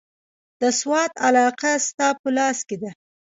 د سوات علاقه ستا په لاس کې ده.